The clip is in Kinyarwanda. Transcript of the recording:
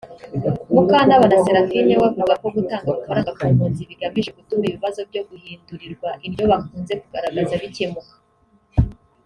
Mukantabana Seraphine we avuga ko gutanga amafaranga ku mpunzi bigamije gutuma ibibazo byo guhindurirwa indyo bakunze kugaragaza bikemuka